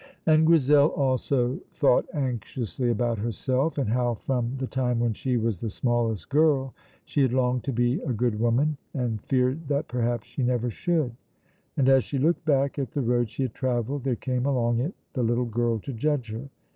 And Grizel also thought anxiously about herself, and how from the time when she was the smallest girl she had longed to be a good woman and feared that perhaps she never should. And as she looked back at the road she had travelled, there came along it the little girl to judge her.